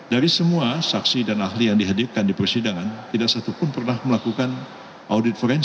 dari semua saksi dan ahli yang dihadirkan di persidangan tidak satu pun pernah melakukan audit forensik